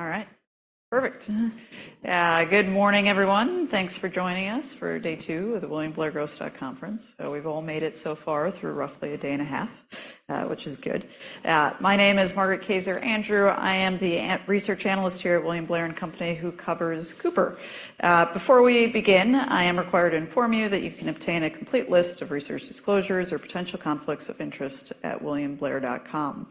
All right, perfect. Good morning, everyone. Thanks for joining us for day two of the William Blair Growth Stock Conference. We've all made it so far through roughly a day and a half, which is good. My name is Margaret Kaczor Andrew. I am the research analyst here at William Blair & Company, who covers Cooper. Before we begin, I am required to inform you that you can obtain a complete list of research disclosures or potential conflicts of interest at williamblair.com.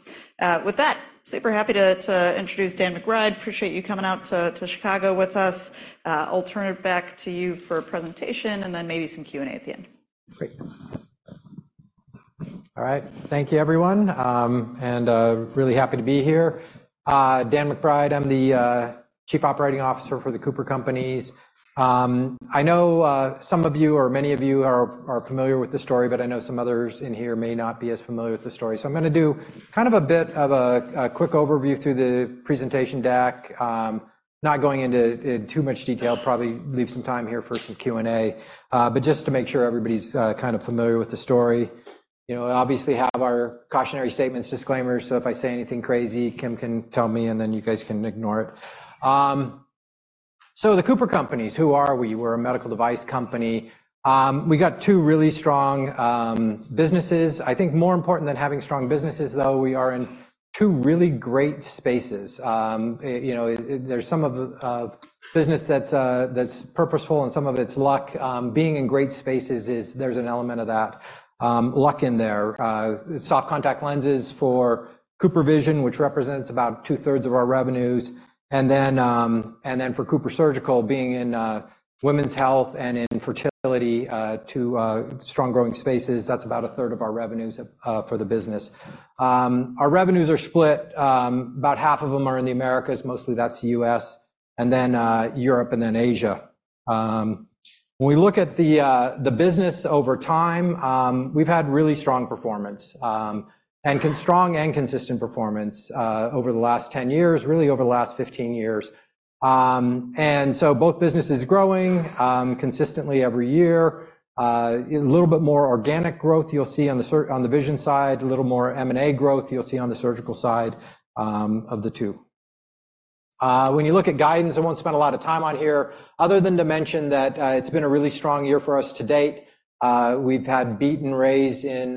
With that, super happy to introduce Dan McBride. Appreciate you coming out to Chicago with us. I'll turn it back to you for a presentation and then maybe some Q&A at the end. Great. All right. Thank you, everyone. Really happy to be here. Dan McBride, I'm the Chief Operating Officer for the Cooper Companies. I know some of you or many of you are familiar with this story, but I know some others in here may not be as familiar with the story. So I'm gonna do kind of a bit of a quick overview through the presentation deck. Not going into too much detail, probably leave some time here for some Q&A. But just to make sure everybody's kind of familiar with the story. You know, obviously have our cautionary statements, disclaimers, so if I say anything crazy, Kim can tell me, and then you guys can ignore it. So the Cooper Companies, who are we? We're a medical device company. We got two really strong businesses. I think more important than having strong businesses, though, we are in two really great spaces. You know, it, there's some of the business that's purposeful, and some of it's luck. Being in great spaces is there's an element of that luck in there. Soft contact lenses for CooperVision, which represents about two-thirds of our revenues. And then for CooperSurgical, being in women's health and in fertility, two strong growing spaces, that's about a third of our revenues for the business. Our revenues are split. About half of them are in the Americas, mostly that's U.S., and then Europe, and then Asia. When we look at the business over time, we've had really strong performance and strong and consistent performance over the last 10 years, really over the last 15 years. And so both businesses growing consistently every year. A little bit more organic growth you'll see on the vision side, a little more M&A growth you'll see on the surgical side of the two. When you look at guidance, I won't spend a lot of time on here, other than to mention that it's been a really strong year for us to date. We've had beat and raise in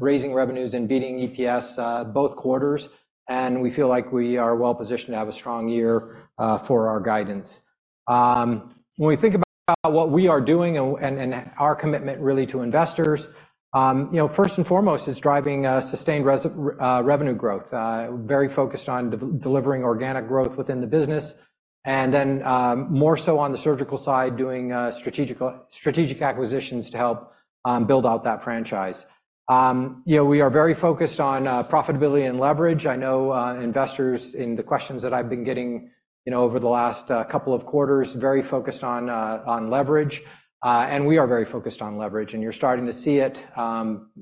raising revenues and beating EPS both quarters, and we feel like we are well positioned to have a strong year for our guidance. When we think about what we are doing and our commitment really to investors, you know, first and foremost, is driving sustained resilient revenue growth. Very focused on delivering organic growth within the business, and then, more so on the surgical side, doing strategic acquisitions to help build out that franchise. You know, we are very focused on profitability and leverage. I know investors in the questions that I've been getting, you know, over the last couple of quarters, very focused on leverage, and we are very focused on leverage. And you're starting to see it,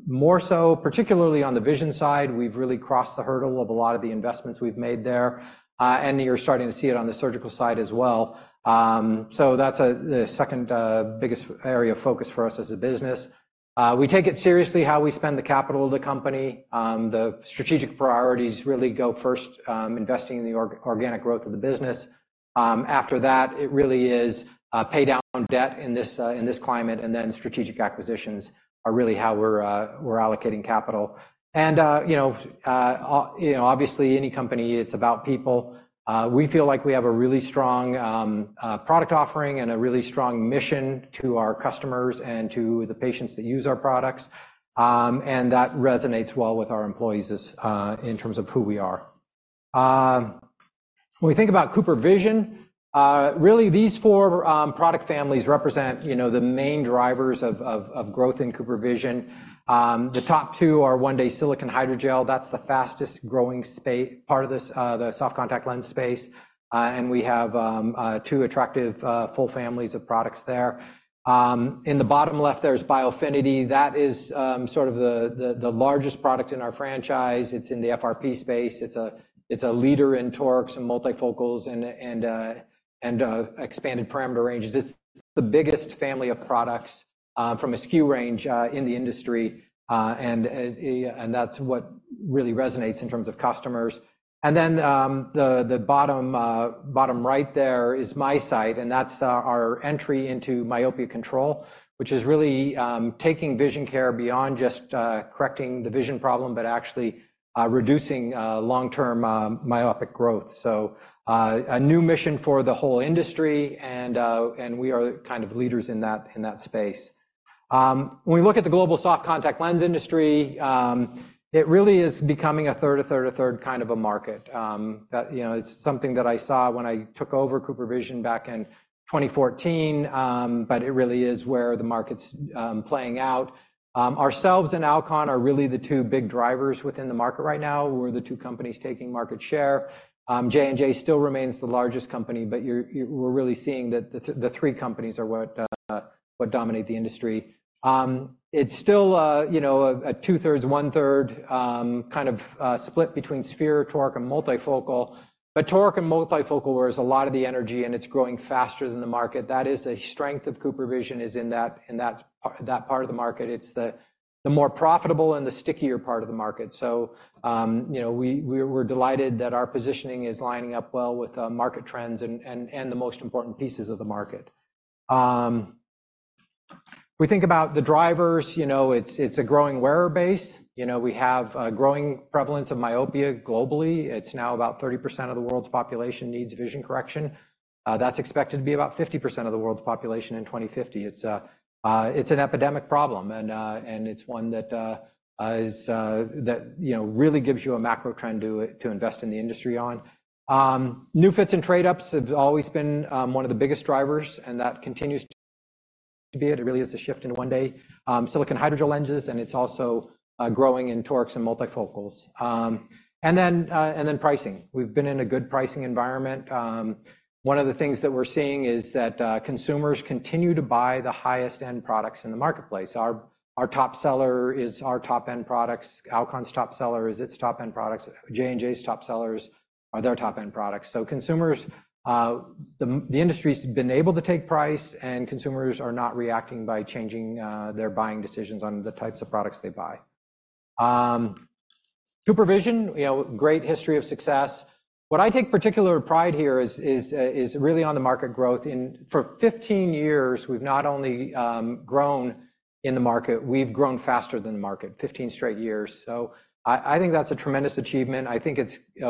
more so, particularly on the vision side. We've really crossed the hurdle of a lot of the investments we've made there, and you're starting to see it on the surgical side as well. So that's the second biggest area of focus for us as a business. We take it seriously how we spend the capital of the company. The strategic priorities really go first, investing in the organic growth of the business. After that, it really is pay down debt in this climate, and then strategic acquisitions are really how we're allocating capital. You know, obviously, any company, it's about people. We feel like we have a really strong product offering and a really strong mission to our customers and to the patients that use our products. And that resonates well with our employees as, in terms of who we are. When we think about CooperVision, really, these four product families represent, you know, the main drivers of growth in CooperVision. The top two are one-day silicone hydrogel. That's the fastest-growing space, part of this, the soft contact lens space. And we have two attractive full families of products there. In the bottom left, there's Biofinity. That is sort of the largest product in our franchise. It's in the FRP space. It's a leader in torics and multifocals and expanded parameter ranges. It's the biggest family of products from a SKU range in the industry. And that's what really resonates in terms of customers. And then, the bottom right there is MiSight, and that's our entry into myopia control, which is really taking vision care beyond just correcting the vision problem, but actually reducing long-term myopic growth. So, a new mission for the whole industry, and we are kind of leaders in that space. When we look at the global soft contact lens industry, it really is becoming a third, a third, a third kind of a market. That, you know, it's something that I saw when I took over CooperVision back in 2014, but it really is where the market's playing out. Ourselves and Alcon are really the two big drivers within the market right now. We're the two companies taking market share. J&J still remains the largest company, but you're, we're really seeing that the three companies are what dominate the industry. It's still, you know, a 2/3, 1/3 kind of split between sphere, toric, and multifocal, but toric and multifocal, where there's a lot of the energy, and it's growing faster than the market. That is a strength of CooperVision, is in that, that part of the market. It's the more profitable and the stickier part of the market. So, you know, we, we're delighted that our positioning is lining up well with market trends and the most important pieces of the market. We think about the drivers, you know, it's a growing wearer base. You know, we have a growing prevalence of myopia globally. It's now about 30% of the world's population needs vision correction. That's expected to be about 50% of the world's population in 2050. It's an epidemic problem, and it's one that you know really gives you a macro trend to invest in the industry on. New fits and trade ups have always been one of the biggest drivers, and that continues to be it. It really is a shift in one-day silicone hydrogel lenses, and it's also growing in torics and multifocals. And then pricing. We've been in a good pricing environment. One of the things that we're seeing is that consumers continue to buy the highest end products in the marketplace. Our top seller is our top-end products. Alcon's top seller is its top-end products. J&J's top sellers are their top-end products. So consumers, the industry's been able to take price, and consumers are not reacting by changing their buying decisions on the types of products they buy. CooperVision, you know, great history of success. What I take particular pride here is really on the market growth. For 15 years, we've not only grown in the market, we've grown faster than the market, 15 straight years. So I think that's a tremendous achievement. I think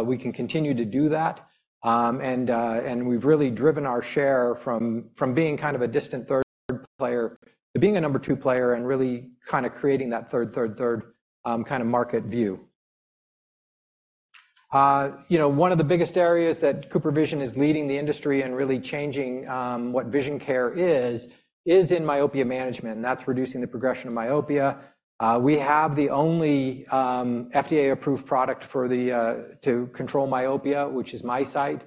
we can continue to do that. And we've really driven our share from being kind of a distant third player to being a number two player and really kind of creating that third kind of market view. You know, one of the biggest areas that CooperVision is leading the industry and really changing what vision care is, is in myopia management, and that's reducing the progression of myopia. We have the only FDA-approved product for the to control myopia, which is MiSight.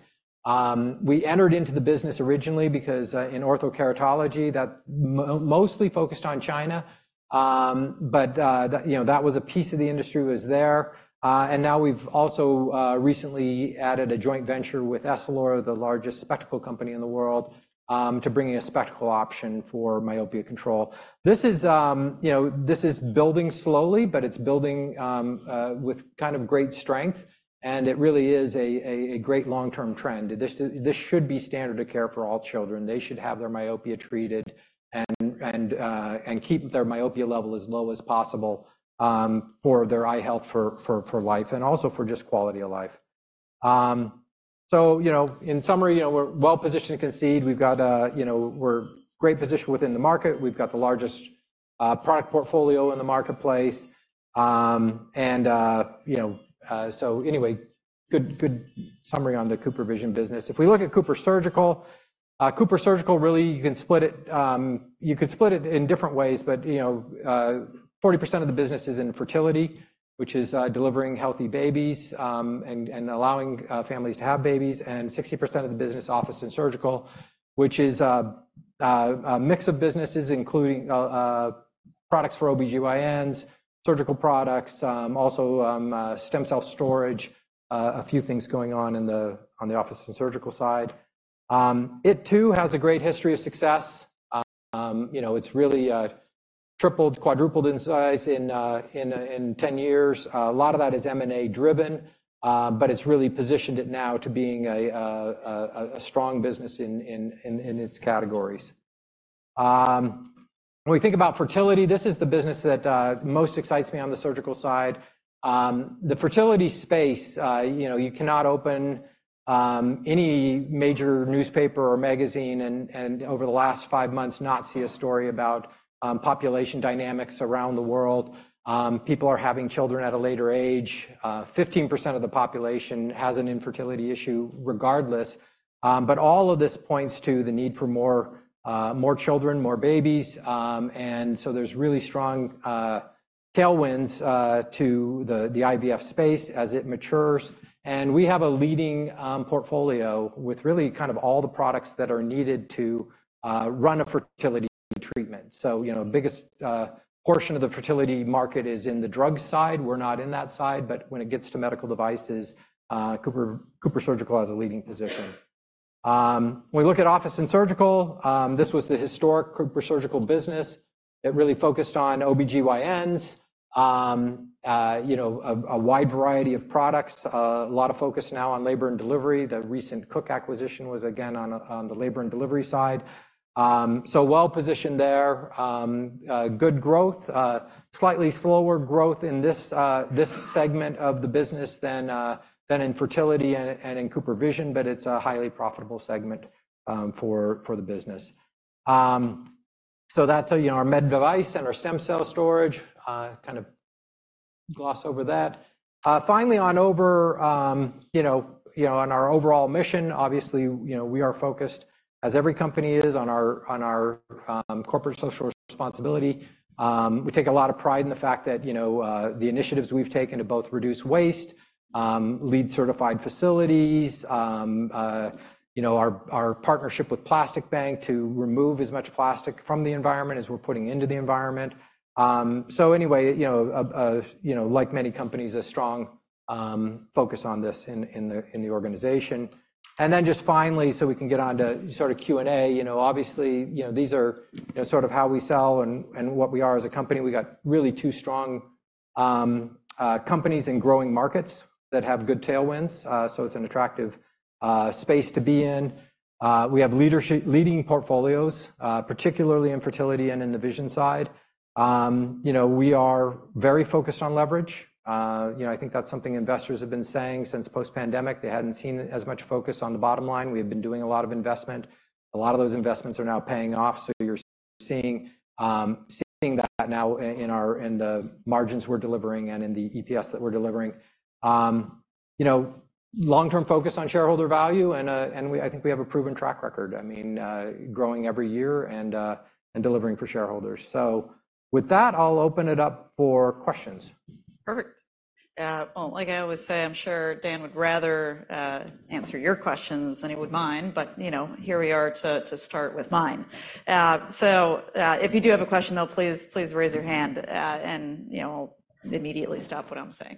We entered into the business originally because in orthokeratology, that mostly focused on China. But that, you know, that was a piece of the industry was there. And now we've also recently added a joint venture with Essilor, the largest spectacle company in the world, to bringing a spectacle option for myopia control. This is, you know, this is building slowly, but it's building with kind of great strength, and it really is a great long-term trend. This should be standard of care for all children. They should have their myopia treated and keep their myopia level as low as possible, for their eye health, for life, and also for just quality of life. So, you know, in summary, you know, we're well-positioned to concede. We've got, you know, we're great position within the market. We've got the largest product portfolio in the marketplace. And, you know, so anyway, good, good summary on the CooperVision business. If we look at CooperSurgical, really, you could split it in different ways, but, you know, 40% of the business is in fertility, which is delivering healthy babies, and allowing families to have babies, and 60% of the business, office and surgical, which is a mix of businesses, including products for OBGYNs, surgical products, also stem cell storage. A few things going on on the office and surgical side. It too has a great history of success. You know, it's really tripled, quadrupled in size in 10 years. A lot of that is M&A driven, but it's really positioned it now to being a strong business in its categories. When we think about fertility, this is the business that most excites me on the surgical side. The fertility space, you know, you cannot open any major newspaper or magazine and, over the last five months, not see a story about population dynamics around the world. People are having children at a later age. 15% of the population has an infertility issue regardless. But all of this points to the need for more children, more babies. And so there's really strong tailwinds to the IVF space as it matures, and we have a leading portfolio with really kind of all the products that are needed to run a fertility treatment. So, you know, biggest portion of the fertility market is in the drug side. We're not in that side, but when it gets to medical devices, CooperSurgical has a leading position. When we look at office and surgical, this was the historic CooperSurgical business that really focused on OBGYNs. You know, a wide variety of products, a lot of focus now on labor and delivery. The recent Cook acquisition was again on the labor and delivery side. So well-positioned there. Good growth, slightly slower growth in this segment of the business than in fertility and in CooperVision, but it's a highly profitable segment, for the business. So that's, you know, our med device and our stem cell storage, kind of gloss over that. Finally, on our overall mission, obviously, you know, we are focused, as every company is, on our corporate social responsibility. We take a lot of pride in the fact that, you know, the initiatives we've taken to both reduce waste, LEED-certified facilities, you know, our partnership with Plastic Bank to remove as much plastic from the environment as we're putting into the environment. So anyway, you know, like many companies, a strong focus on this in the organization. And then just finally, so we can get on to sort of Q&A, you know, obviously, you know, these are, you know, sort of how we sell and what we are as a company. We got really two strong companies in growing markets that have good tailwinds. So it's an attractive space to be in. We have leading portfolios, particularly in fertility and in the vision side. You know, we are very focused on leverage. You know, I think that's something investors have been saying since post-pandemic. They hadn't seen as much focus on the bottom line. We have been doing a lot of investment. A lot of those investments are now paying off, so you're seeing that now in the margins we're delivering and in the EPS that we're delivering. You know, long-term focus on shareholder value, and I think we have a proven track record. I mean, growing every year and delivering for shareholders. With that, I'll open it up for questions. Perfect. Well, like I always say, I'm sure Dan would rather answer your questions than he would mine, but, you know, here we are to start with mine. So, if you do have a question, though, please, please raise your hand, and, you know, I'll immediately stop what I'm saying.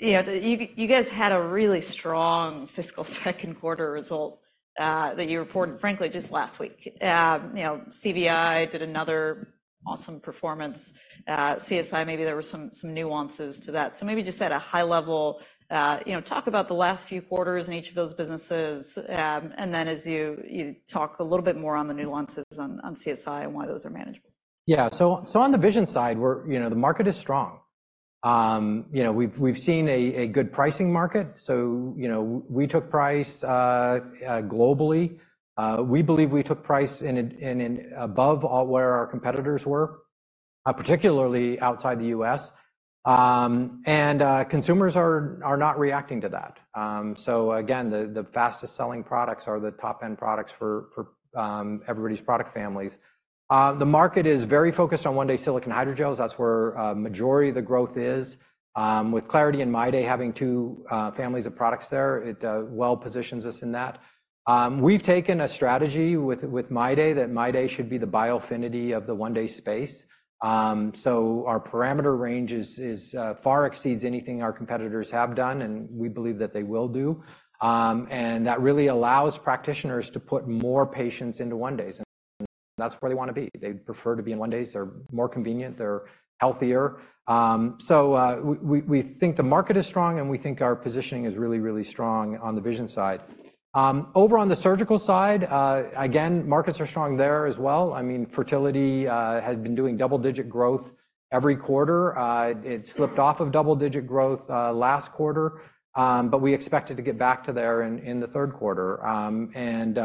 You know, you guys had a really strong fiscal second quarter result that you reported, frankly, just last week. You know, CVI did another awesome performance. CSI, maybe there were some nuances to that. So maybe just at a high level, you know, talk about the last few quarters in each of those businesses. And then as you talk a little bit more on the nuances on CSI and why those are manageable. Yeah. So on the vision side, we're... You know, the market is strong. You know, we've seen a good pricing market. So, you know, we took price globally. We believe we took price an above where our competitors were, particularly outside the U.S. And consumers are not reacting to that. So again, the fastest-selling products are the top-end products for everybody's product families. The market is very focused on one-day silicone hydrogels. That's where a majority of the growth is. With Clariti and MyDay having two families of products there, it well positions us in that. We've taken a strategy with MyDay, that MyDay should be the Biofinity of the one-day space. So our parameter range far exceeds anything our competitors have done, and we believe that they will do. And that really allows practitioners to put more patients into one-days, and that's where they want to be. They prefer to be in one-days. They're more convenient, they're healthier. So we think the market is strong, and we think our positioning is really, really strong on the vision side. Over on the surgical side, again, markets are strong there as well. I mean, fertility had been doing double-digit growth every quarter. It slipped off of double-digit growth last quarter, but we expect it to get back to there in the third quarter. And,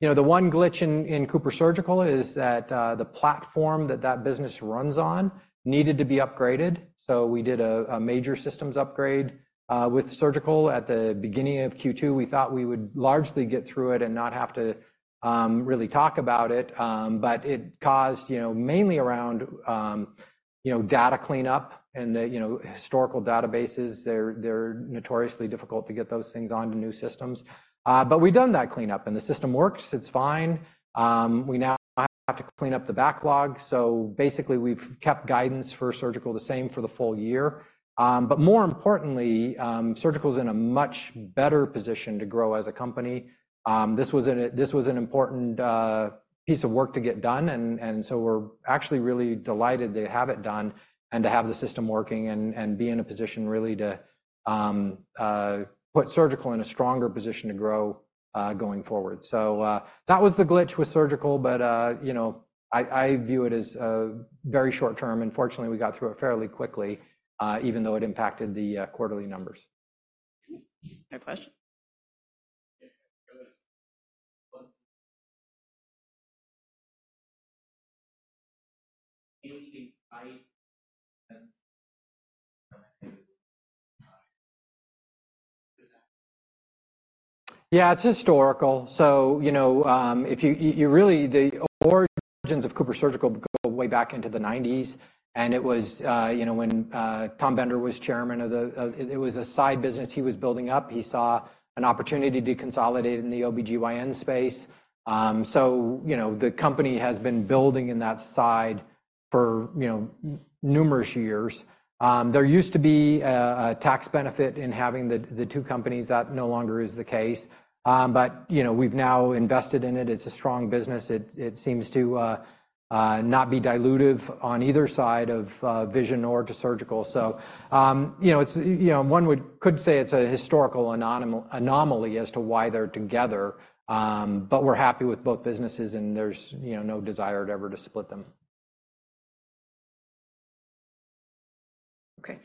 you know, the one glitch in CooperSurgical is that the platform that that business runs on needed to be upgraded. So we did a major systems upgrade with CooperSurgical at the beginning of Q2. We thought we would largely get through it and not have to really talk about it. But it caused, you know, mainly around you know, data cleanup and the you know, historical databases; they're notoriously difficult to get those things onto new systems. But we've done that cleanup, and the system works. It's fine. We now have to clean up the backlog, so basically, we've kept guidance for CooperSurgical the same for the full year. But more importantly, CooperSurgical is in a much better position to grow as a company. This was an important piece of work to get done, and so we're actually really delighted to have it done and to have the system working and be in a position really to put surgical in a stronger position to grow going forward. So, that was the glitch with surgical, but you know, I view it as very short term, and fortunately, we got through it fairly quickly, even though it impacted the quarterly numbers. No question. Yeah, it's historical. So, you know, if you really, the origins of CooperSurgical go way back into the 1990s, and it was, you know, when Tom Bender was chairman of the, it was a side business he was building up. He saw an opportunity to consolidate in the OBGYN space. So, you know, the company has been building in that side for, you know, numerous years. There used to be a tax benefit in having the two companies. That no longer is the case. But, you know, we've now invested in it. It's a strong business. It seems to not be dilutive on either side of vision or surgical. You know, it's, you know, one could say it's a historical anomaly as to why they're together, but we're happy with both businesses, and there's, you know, no desire to ever split them. Okay.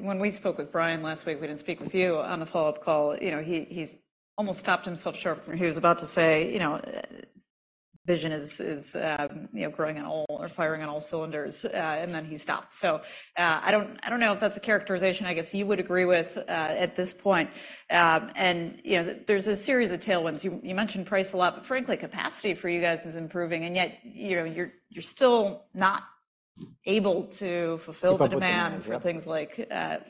When we spoke with Brian last week, we didn't speak with you on the follow-up call. You know, he almost stopped himself short, where he was about to say, "You know, vision is, you know, growing on all or firing on all cylinders," and then he stopped. So, I don't know if that's a characterization I guess you would agree with, at this point. And, you know, there's a series of tailwinds. You mentioned price a lot, but frankly, capacity for you guys is improving, and yet, you know, you're still not able to fulfill demand- for things like,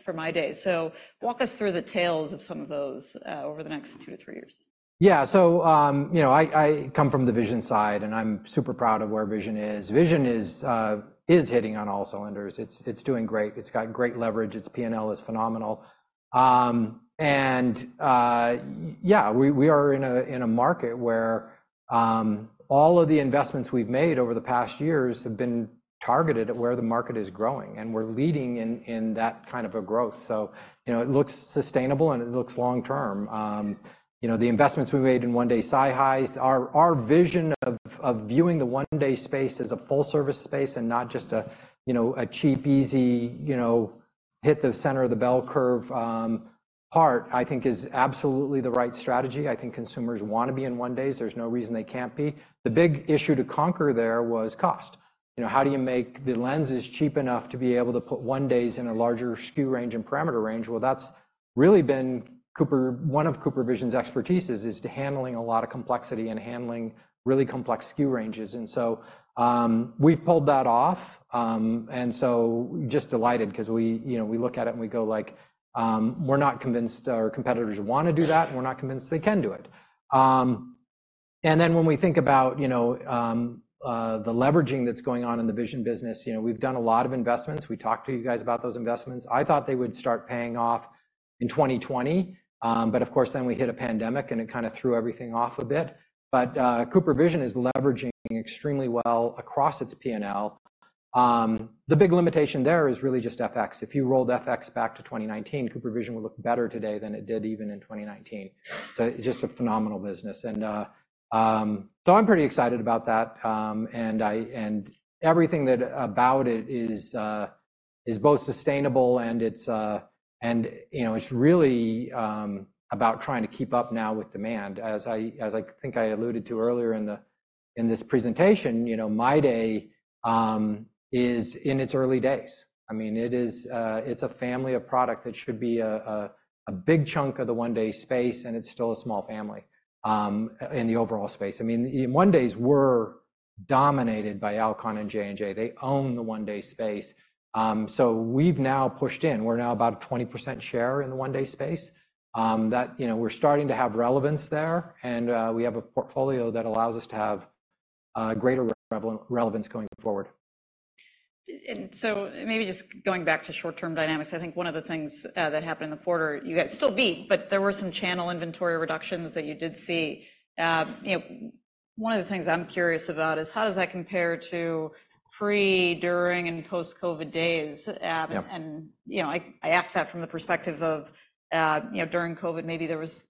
for MyDay. So walk us through the tailwinds of some of those, over the next two-three years. Yeah. So, you know, I come from the vision side, and I'm super proud of where vision is. Vision is hitting on all cylinders. It's doing great. It's got great leverage. Its P&L is phenomenal. Yeah, we are in a market where all of the investments we've made over the past years have been targeted at where the market is growing, and we're leading in that kind of a growth. So, you know, it looks sustainable, and it looks long-term. You know, the investments we made in one-day SiHys, our vision of viewing the one-day space as a full-service space and not just a cheap, easy hit the center of the bell curve part, I think is absolutely the right strategy. I think consumers want to be in one day. There's no reason they can't be. The big issue to conquer there was cost. You know, how do you make the lenses cheap enough to be able to put one days in a larger SKU range and parameter range? Well, that's really been CooperVision, one of CooperVision's expertise, is handling a lot of complexity and handling really complex SKU ranges. And so, we've pulled that off. And so just delighted because we, you know, we look at it and we go like, we're not convinced our competitors want to do that, and we're not convinced they can do it. And then when we think about, you know, the leveraging that's going on in the vision business, you know, we've done a lot of investments. We talked to you guys about those investments. I thought they would start paying off in 2020. But of course, then we hit a pandemic, and it kind of threw everything off a bit. CooperVision is leveraging extremely well across its PNL. The big limitation there is really just FX. If you rolled FX back to 2019, CooperVision would look better today than it did even in 2019. So it's just a phenomenal business, and so I'm pretty excited about that. And everything about it is both sustainable and it's, and you know, it's really about trying to keep up now with demand. As I think I alluded to earlier in this presentation, you know, MyDay is in its early days. I mean, it is, it's a family of product that should be a big chunk of the one-day space, and it's still a small family in the overall space. I mean, in one days, we're dominated by Alcon and J&J. They own the one-day space. So we've now pushed in. We're now about a 20% share in the one-day space. That, you know, we're starting to have relevance there, and we have a portfolio that allows us to have greater relevance going forward. And so maybe just going back to short-term dynamics, I think one of the things that happened in the quarter, you guys still beat, but there were some channel inventory reductions that you did see. You know, one of the things I'm curious about is: how does that compare to pre, during, and post-COVID days? And you know, I ask that from the perspective of, you know, during COVID, maybe there was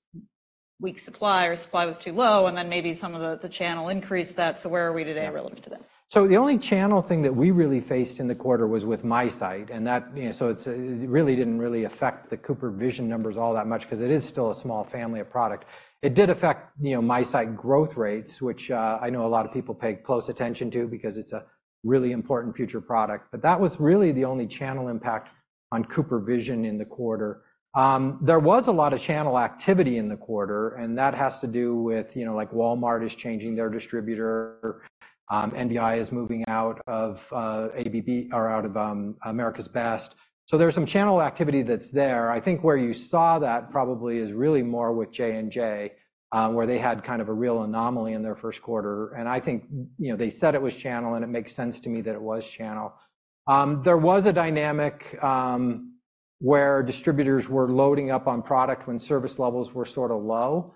weak supply or supply was too low, and then maybe some of the channel increased that. So where are we today relative to that? So the only channel thing that we really faced in the quarter was with MiSight, and that, you know, so it's, it really didn't really affect the CooperVision numbers all that much because it is still a small family of product. It did affect, you know, MiSight growth rates, which, I know a lot of people pay close attention to because it's a really important future product. But that was really the only channel impact on CooperVision in the quarter. There was a lot of channel activity in the quarter, and that has to do with, you know, like Walmart is changing their distributor, NVI is moving out of, ABB or out of, America's Best. So there's some channel activity that's there. I think where you saw that probably is really more with J&J, where they had kind of a real anomaly in their first quarter, and I think, you know, they said it was channel, and it makes sense to me that it was channel. There was a dynamic, where distributors were loading up on product when service levels were sort of low,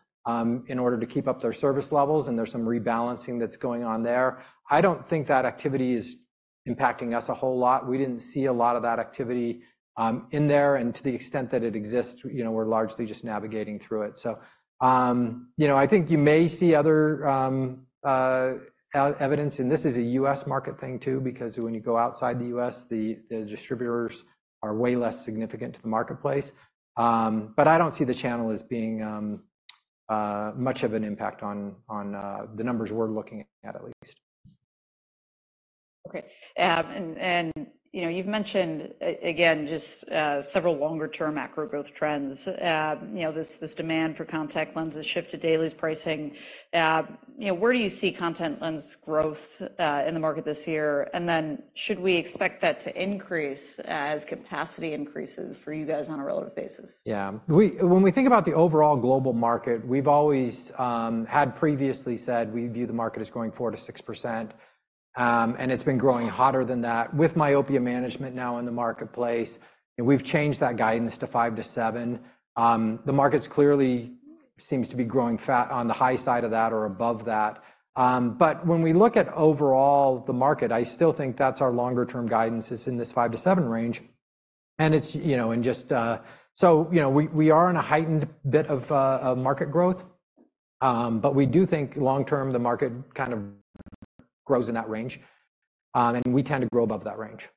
in order to keep up their service levels, and there's some rebalancing that's going on there. I don't think that activity is impacting us a whole lot. We didn't see a lot of that activity, in there, and to the extent that it exists, you know, we're largely just navigating through it. So, you know, I think you may see other evidence, and this is a U.S. market thing too, because when you go outside the U.S., the distributors are way less significant to the marketplace. But I don't see the channel as being much of an impact on the numbers we're looking at, at least. Okay, and you know, you've mentioned again just several longer-term macro growth trends. You know, this demand for contact lenses shift to dailies pricing. You know, where do you see contact lens growth in the market this year? And then should we expect that to increase as capacity increases for you guys on a relative basis? Yeah. When we think about the overall global market, we've always had previously said we view the market as growing 4%-6%, and it's been growing faster than that. With myopia management now in the marketplace, and we've changed that guidance to 5%-7%. The market clearly seems to be growing fast on the high side of that or above that. But when we look at overall the market, I still think that's our longer-term guidance is in this 5%-7% range, and it's, you know, and just. So, you know, we are in a heightened bit of market growth, but we do think long term, the market kind of grows in that range, and we tend to grow above that range.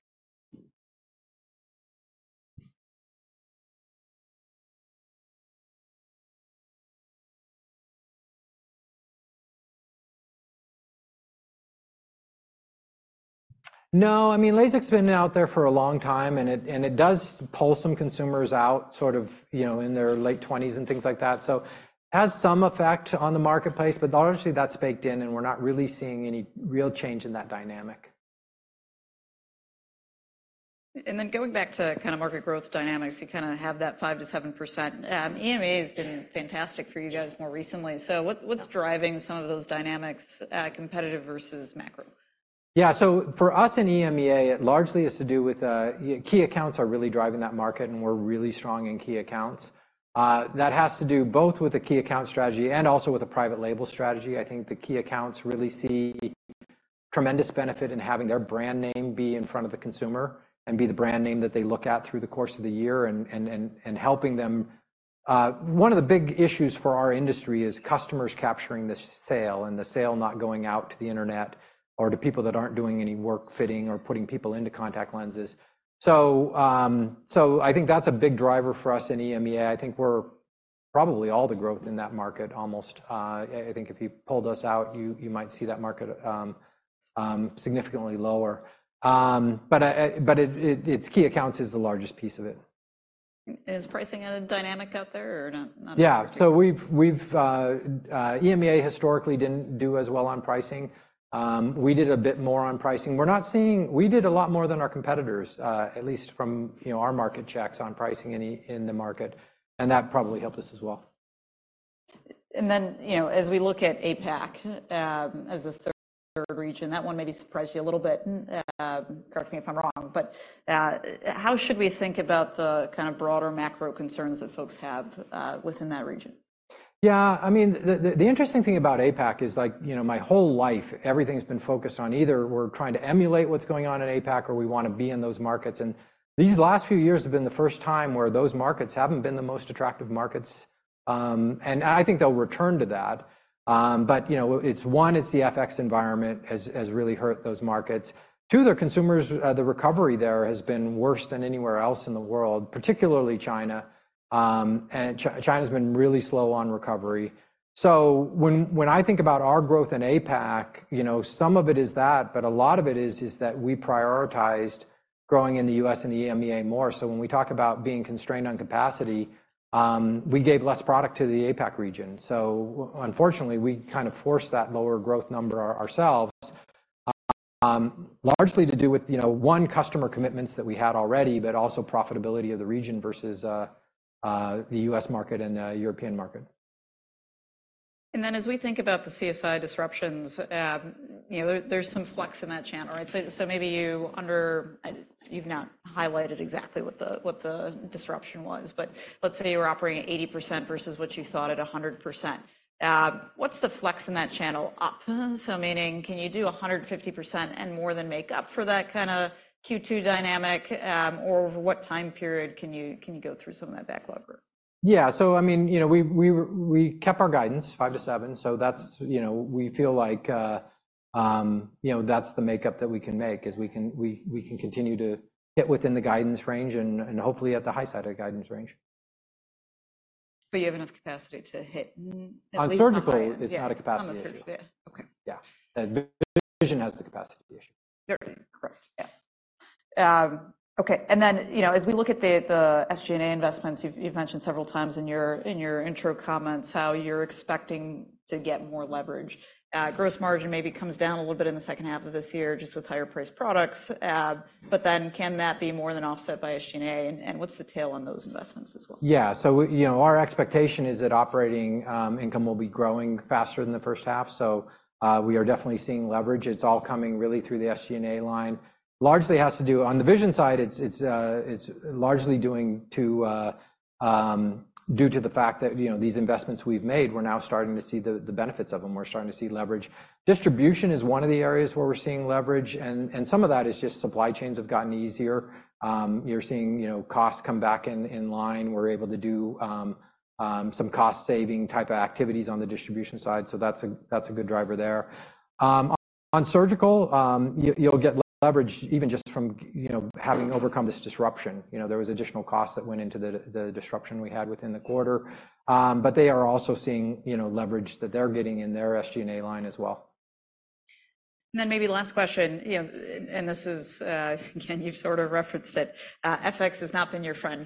No, I mean, LASIK's been out there for a long time, and it, and it does pull some consumers out sort of, you know, in their late twenties and things like that. So it has some effect on the marketplace, but largely that's baked in, and we're not really seeing any real change in that dynamic. And then going back to kind of market growth dynamics, you kind of have that 5%-7%. EMEA has been fantastic for you guys more recently. So what, what's driving some of those dynamics, competitive versus macro? Yeah, so for us in EMEA, it largely has to do with key accounts are really driving that market, and we're really strong in key accounts. That has to do both with the key account strategy and also with a private label strategy. I think the key accounts really see tremendous benefit in having their brand name be in front of the consumer and be the brand name that they look at through the course of the year and helping them. One of the big issues for our industry is customers capturing the sale and the sale not going out to the internet or to people that aren't doing any work fitting or putting people into contact lenses. So, I think that's a big driver for us in EMEA. I think we're probably all the growth in that market, almost. I think if you pulled us out, you might see that market significantly lower. But it's key accounts is the largest piece of it. Is pricing a dynamic out there or not? Yeah. So we've EMEA historically didn't do as well on pricing. We did a bit more on pricing. We're not seeing. We did a lot more than our competitors, at least from, you know, our market checks on pricing in the market, and that probably helped us as well. And then, you know, as we look at APAC, as the third region, that one maybe surprised you a little bit, and, correct me if I'm wrong, but, how should we think about the kind of broader macro concerns that folks have, within that region? Yeah, I mean, the interesting thing about APAC is like, you know, my whole life, everything's been focused on either we're trying to emulate what's going on in APAC or we want to be in those markets. These last few years have been the first time where those markets haven't been the most attractive markets. I think they'll return to that. But, you know, it's one, it's the FX environment has really hurt those markets. Two, their consumers, the recovery there has been worse than anywhere else in the world, particularly China. China's been really slow on recovery. So when I think about our growth in APAC, you know, some of it is that, but a lot of it is that we prioritized growing in the US and the EMEA more. So when we talk about being constrained on capacity, we gave less product to the APAC region. Unfortunately, we kind of forced that lower growth number ourselves, largely to do with, you know, one, customer commitments that we had already, but also profitability of the region versus the U.S. market and European market. And then, as we think about the CSI disruptions, you know, there's some flux in that channel, right? So maybe you've not highlighted exactly what the disruption was, but let's say you were operating at 80% versus what you thought at 100%. What's the flux in that channel up? So meaning, can you do 150% and more than make up for that kind of Q2 dynamic? Or over what time period can you go through some of that backlog? Yeah. So I mean, you know, we kept our guidance 5-7. So that's, you know, we feel like, you know, that's the make up that we can make, is we can continue to get within the guidance range and hopefully at the high side of the guidance range. But you have enough capacity to hit at least- On surgical, it's not a capacity issue. On the surgical, yeah. Okay. Yeah. Vision has the capacity issue. Very correct. Yeah. Okay. And then, you know, as we look at the SG&A investments, you've mentioned several times in your intro comments how you're expecting to get more leverage. Gross margin maybe comes down a little bit in the second half of this year, just with higher priced products. But then can that be more than offset by SG&A, and what's the tail on those investments as well? Yeah. So, you know, our expectation is that operating income will be growing faster than the first half. So, we are definitely seeing leverage. It's all coming really through the SG&A line. Largely has to do—on the vision side, it's largely due to the fact that, you know, these investments we've made, we're now starting to see the benefits of them. We're starting to see leverage. Distribution is one of the areas where we're seeing leverage, and some of that is just supply chains have gotten easier. You're seeing, you know, costs come back in line. We're able to do some cost-saving type of activities on the distribution side, so that's a good driver there. On surgical, you'll get leverage even just from, you know, having overcome this disruption. You know, there was additional costs that went into the disruption we had within the quarter. But they are also seeing, you know, leverage that they're getting in their SG&A line as well. And then maybe last question, you know, and this is, again, you've sort of referenced it. FX has not been your friend,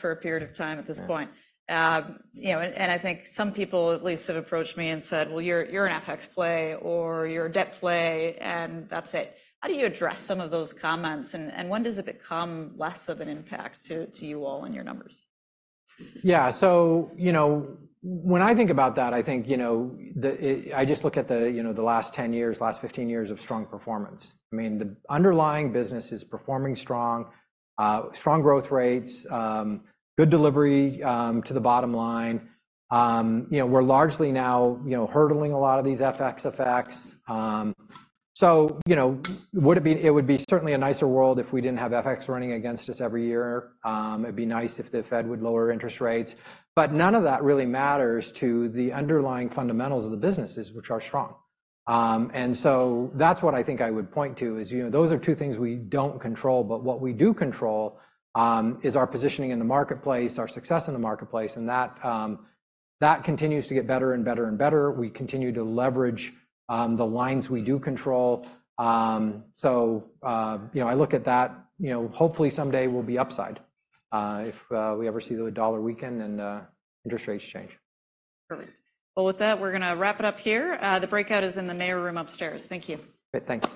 for a period of time at this point. Yeah.You know, and I think some people at least have approached me and said, "Well, you're an FX play or you're a debt play, and that's it." How do you address some of those comments, and when does it become less of an impact to you all on your numbers? Yeah. So, you know, when I think about that, I think, you know, the, I just look at the, you know, the last 10 years, last 15 years of strong performance. I mean, the underlying business is performing strong, strong growth rates, good delivery, to the bottom line. You know, we're largely now, you know, hurdling a lot of these FX effects. So, you know, would it be- it would be certainly a nicer world if we didn't have FX running against us every year. It'd be nice if the Fed would lower interest rates, but none of that really matters to the underlying fundamentals of the businesses, which are strong. And so that's what I think I would point to, is, you know, those are two things we don't control, but what we do control is our positioning in the marketplace, our success in the marketplace, and that, that continues to get better and better and better. We continue to leverage the lines we do control. So, you know, I look at that, you know, hopefully someday will be upside, if we ever see the US dollar weaken and interest rates change. Perfect. Well, with that, we're gonna wrap it up here. The breakout is in the Mayer room upstairs. Thank you. Great. Thank you.